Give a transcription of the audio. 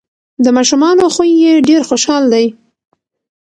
د ماشومانو خوی یې ډیر خوشحال دی.